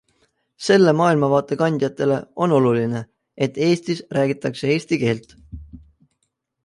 Selle maailmavaate kandjatele on oluline, et Eestis räägitakse eesti keelt.